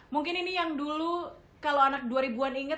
mungkin ini yang dulu kalau anak dua ribu an inget